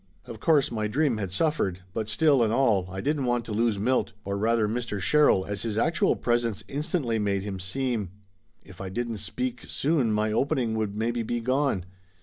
Of course my dream had suffered, but still and all I didn't want to lose Milt, or rather Mr. Sherrill, as his actual presence instantly made him seem. If I didn't speak soon my opening would maybe be gone.